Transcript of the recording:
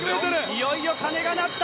いよいよ鐘が鳴った！